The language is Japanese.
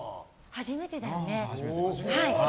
初めてだよね。